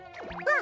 あ！